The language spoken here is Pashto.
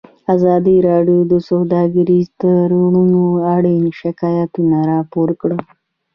ازادي راډیو د سوداګریز تړونونه اړوند شکایتونه راپور کړي.